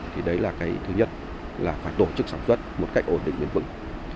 thì đấy là cái thứ nhất là phải tổ chức sản xuất một cách ổn định bền vững